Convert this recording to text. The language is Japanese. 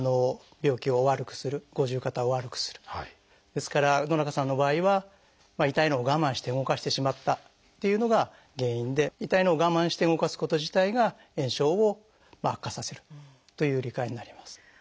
ですから野中さんの場合は痛いのを我慢して動かしてしまったっていうのが原因で痛いのを我慢して動かすこと自体が炎症を悪化させるという理解になります。